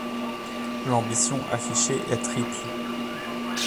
L'ambition affichée est triple.